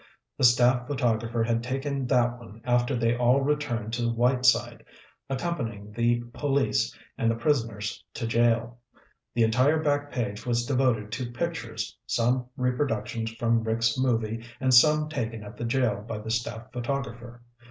The staff photographer had taken that one after they all returned to Whiteside, accompanying the police and the prisoners to jail. The entire back page was devoted to pictures, some reproductions from Rick's movie and some taken at the jail by the staff photographer.